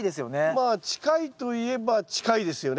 まあ近いといえば近いですよね。